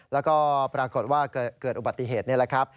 แล้วก็ปรากฏว่าเกิดอุบัติเหตุนี่แหละครับ